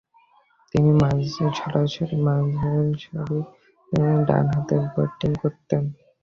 তিনি মাঝারিসারির ব্যাটসম্যানরূপে ডানহাতে ব্যাটিং করতেন।